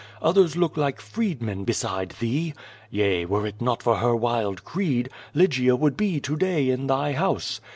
Others look like freedmen beside thee. Yea, were it not for her wild creed, Lygia would be to day in thy house.